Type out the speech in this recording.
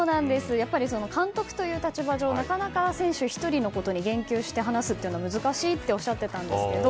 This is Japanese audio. やっぱり監督という立場上なかなか選手１人に言及して話すというのは難しいっておっしゃってたんですけど。